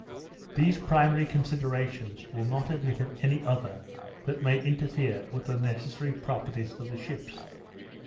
These primary considerations will not admit of any other that may interfere with the necessary properties of the ships.